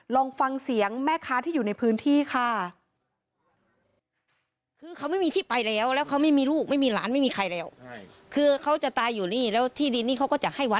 ลองฟังเสียงแม่ค้าที่อยู่ในพื้นที่ค่ะ